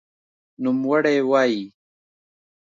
نوموړی وايي